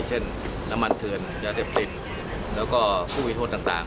เช่นน้ำมันเถื่อนยาเสพติดแล้วก็ผู้มีโทษต่าง